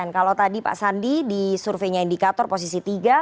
kalau tadi pak sandi di surveinya indikator posisi tiga